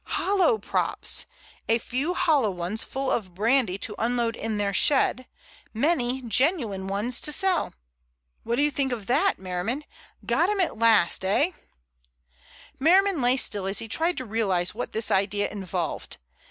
"Hollow props; a few hollow ones full of brandy to unload in their shed, many genuine ones to sell! What do you think of that, Merriman? Got them at last, eh?" Merriman lay still as he tried to realize what this idea involved.